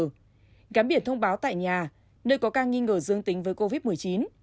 gắm biển thông báo tại nhà nơi có ca nghi ngờ dương tính với covid một mươi chín